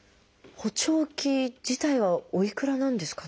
補聴器自体はおいくらなんですかね。